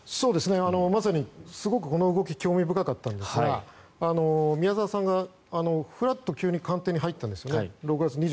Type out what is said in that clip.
まさにすごくこの動き興味深かったんですが宮沢さんがフラッと急に官邸に入ったんですね。